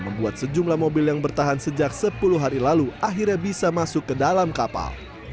membuat sejumlah mobil yang bertahan sejak sepuluh hari lalu akhirnya bisa masuk ke dalam kapal